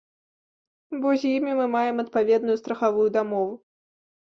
Бо з імі мы маем адпаведную страхавую дамову.